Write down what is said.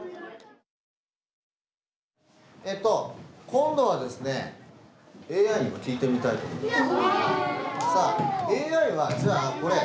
今度はですねＡＩにも聞いてみたいと思います。